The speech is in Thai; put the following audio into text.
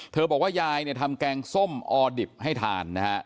บอกว่ายายเนี่ยทำแกงส้มออดิบให้ทานนะฮะ